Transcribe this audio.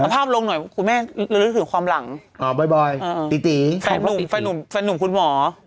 ครับผมภาพลงหน่อยคุณแม่รู้ถึงความหลังอ๋อบ่อยตีแฟนหนุ่มคุณหมอ